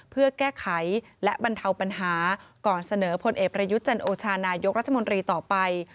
เพื่อแก้ไขและบรรเทาปัญหาก่อนเสนอพลเอกประยุทธ์จันโอชานายกรัฐมนตรีต่อไป